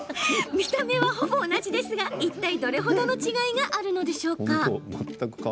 見た目は、ほぼ同じですがいったい、どれほどの違いがあるのでしょうか？